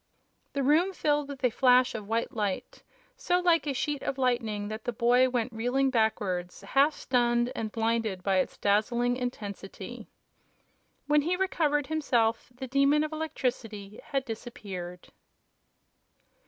The room filled with a flash of white light so like a sheet of lightning that the boy went reeling backwards, half stunned and blinded by its dazzling intensity. When he recovered himself the Demon of Electricity had disappeared.